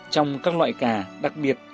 trong các loại cà đặc biệt